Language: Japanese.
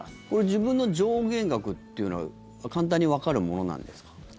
自分の上限額っていうのは簡単にわかるものなんですか？